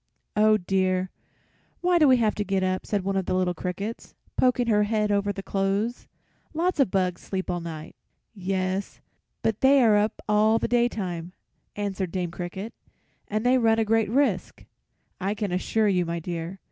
"Oh dear! why do we have to get up?" said one little cricket, poking his head over the clothes. "Lots of bugs sleep all night." "Yes, but they are up all the daytime," answered Dame Cricket, "and they run a great risk, I can assure you, my dear.